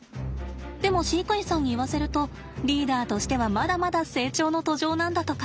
でも飼育員さんに言わせるとリーダーとしてはまだまだ成長の途上なんだとか。